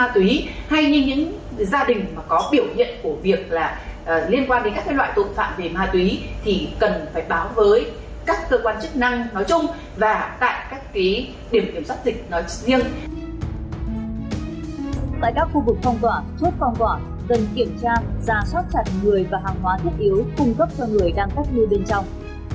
tại các khu vực phong tỏa thuốc phong tỏa cần kiểm tra giả soát chặt người và hàng hóa thiết yếu cung cấp cho người đang cách như bên trong